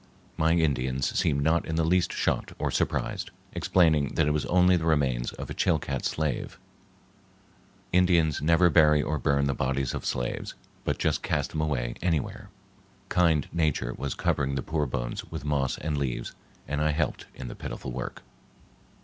My Indians seemed not in the least shocked or surprised, explaining that it was only the remains of a Chilcat slave. Indians never bury or burn the bodies of slaves, but just cast them away anywhere. Kind Nature was covering the poor bones with moss and leaves, and I helped in the pitiful work.